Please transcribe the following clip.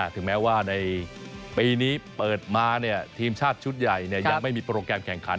ถึงแม้ว่าในปีนี้เปิดมาทีมชาติชุดใหญ่ยังไม่มีโปรแกรมแข่งขัน